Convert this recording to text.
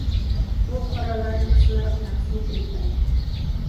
بۇ قوراللارنى قىسىملارغا تەقسىم قىلىپ بەردى.